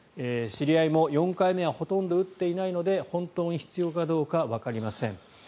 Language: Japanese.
知り合いも４回目はほとんど打っていないので本当に必要かどうかわかりません。